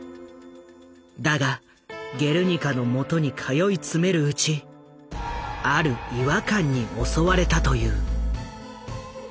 だが「ゲルニカ」のもとに通い詰めるうちある違和感に襲われたという。